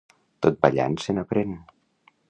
Tot ballant se n'aprèn.